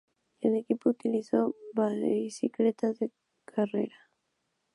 El equipo utilizó bicicletas "Carrera".